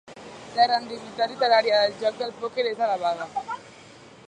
La rendibilitat literària del joc del pòquer és elevada.